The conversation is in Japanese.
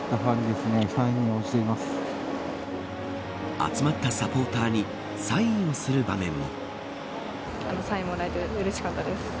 集まったサポーターにサインをする場面も。